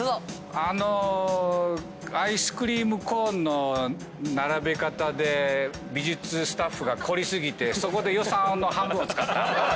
あのアイスクリームコーンの並べ方で美術スタッフが凝り過ぎてそこで予算の半分を使った。